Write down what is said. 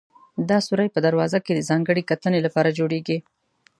دا سورى په دروازه کې د ځانګړې کتنې لپاره جوړېږي.